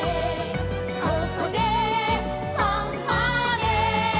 「ここでファンファーレ」